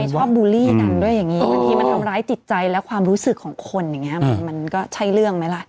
ชอบบูลลี่กันด้วยอย่างนี้บางทีมันทำร้ายจิตใจและความรู้สึกของคนอย่างนี้มันก็ใช่เรื่องไหมล่ะ